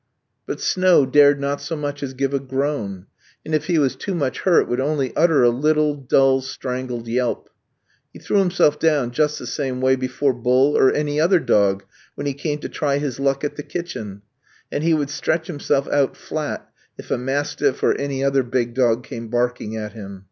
But Snow dared not so much as give a groan; and if he was too much hurt, would only utter a little, dull, strangled yelp. He threw himself down just the same way before Bull or any other dog when he came to try his luck at the kitchen; and he would stretch himself out flat if a mastiff or any other big dog came barking at him.